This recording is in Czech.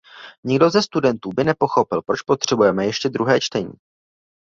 Nikdo ze studentů by nepochopil, proč potřebujeme ještě druhé čtení.